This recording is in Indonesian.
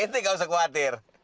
ente gausah khawatir